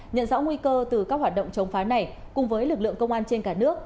nhận rõ nguy cơ từ các hoạt động chống phá này cùng với lực lượng công an trên cả nước